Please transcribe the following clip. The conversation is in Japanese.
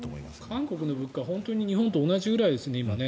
韓国の物価は日本と同じくらいですね、今は。